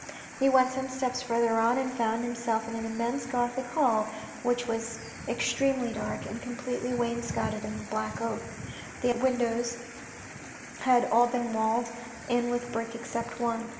He went some steps further on, and found himself in an immense Gothic hall, which was extremely dark, and completely wainscotted in black oak. The ogive windows had all been walled in with brick except one.